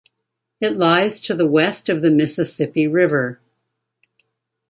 It lies to the west of the Mississippi River.